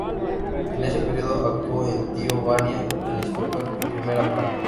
En ese período actuó en "Tío Vania", "El inspector" y "Primera plana".